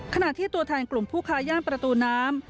ขณะที่ตัวแทนกลุ่มผู้ค้าย่านประตูน้ำ